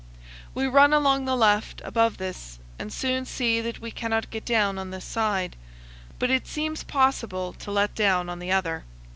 We run along the left, above this, and soon see that we cannot get down on this side, but it seems possible to let down on the other.